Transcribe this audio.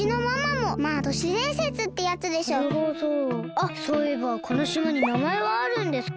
あっそういえばこのしまになまえはあるんですか？